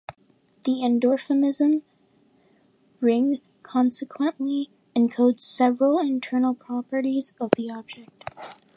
The endomorphism ring consequently encodes several internal properties of the object.